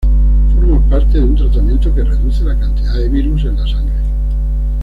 Forma parte de un tratamiento que reduce la cantidad de virus en la sangre.